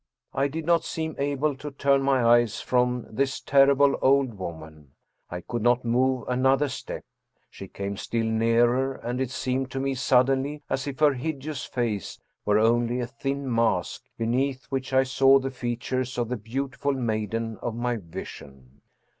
I did not seem able to turn my eyes from this terrible old woman, I could not move another step. She came still nearer, and it seemed to me suddenly as if her hideous face were only a thin mask, beneath which I saw the features of the beautiful maiden of my vision.